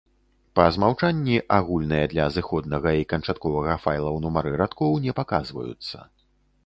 Па змаўчанні, агульныя для зыходнага і канчатковага файлаў нумары радкоў не паказваюцца.